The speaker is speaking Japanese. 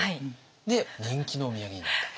で人気のお土産になったと。